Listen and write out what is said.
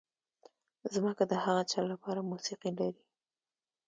ځمکه د هغه چا لپاره موسیقي لري.